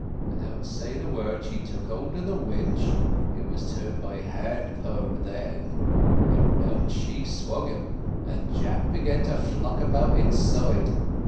Without saying a word she took hold of the winch (it was turned by handpower then), and round she swung him, and Jack began to flop about inside.